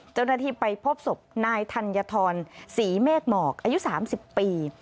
เจ้าหน้าที่ไปพบศพนายธัญฑรศรีเมฆหมอกอายุ๓๐ปี